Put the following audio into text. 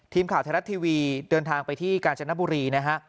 ทีมข่าวไทยรัฐทีวีเดินทางไปที่กาญจนบุรีนะฮะ